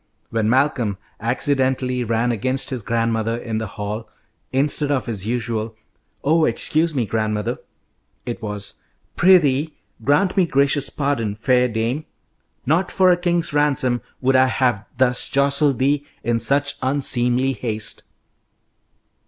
When Malcolm accidentally ran against his grandmother in the hall, instead of his usual, "Oh, excuse me, grandmother," it was "Prithee grant me gracious pardon, fair dame. Not for a king's ransom would I have thus jostled thee in such unseemly haste!"